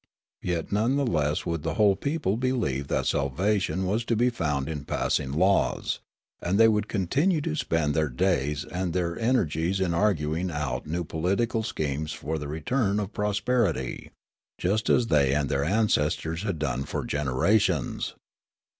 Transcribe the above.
Yet none the less would the whole people believe that salvation was to be found in passing laws ; and they would continue to spend their days and their ener gies in arguing out new political schemes for the return of prosperity, just as they and their ancestors had done for generations.